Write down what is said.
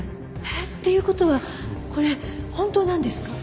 えっ？っていう事はこれ本当なんですか？